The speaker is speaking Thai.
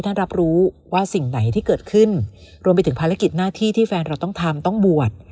ที่เกิดขึ้นรวมไปถึงภารกิจหน้าที่ที่แฟนเราต้องทำต้องบวช